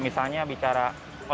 misalnya bicara dengan anak anak